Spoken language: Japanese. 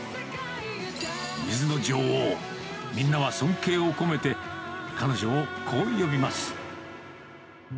水の女王、みんなは尊敬を込めて、彼女をこう呼びます。